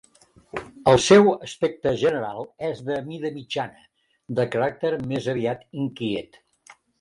El seu aspecte general és de mida mitjana, de caràcter més aviat inquiet.